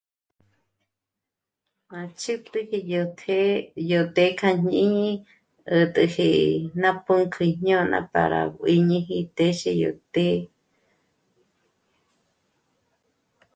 M'a tsjípjiji yó të̌'ë̌ yó té k'àjñíni, 'ä̀t'äji ná pǔnk'ü jñôna para juíñiji t'êxi yó té